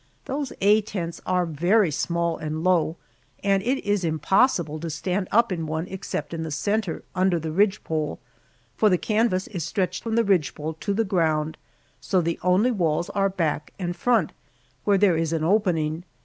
Those "A" tents are very small and low, and it is impossible to stand up in one except in the center under the ridgepole, for the canvas is stretched from the ridgepole to the ground, so the only walls are back and front, where there is an opening.